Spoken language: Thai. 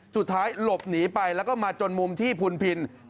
สุดท้ายหลบหนีไปแล้วก็มาจนมุมที่พุนพิน